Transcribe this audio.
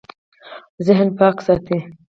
ذهن پاک ساتئ